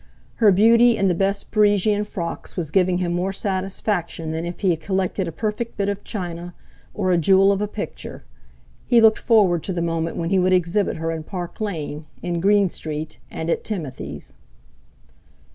Her beauty in the best Parisian frocks was giving him more satisfaction than if he had collected a perfect bit of china, or a jewel of a picture; he looked forward to the moment when he would exhibit her in Park Lane, in Green Street, and at Timothy's.